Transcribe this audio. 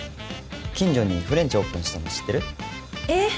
近所にフレンチオープンしたの知ってる？えっ？